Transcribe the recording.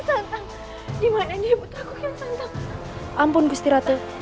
sampai jumpa di video selanjutnya